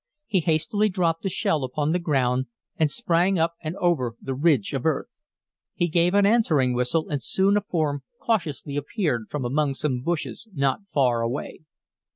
He hastily dropped the shell upon the ground and sprang up and over the ridge of earth. He gave an answering whistle and soon a form cautiously appeared from among some bushes not far away.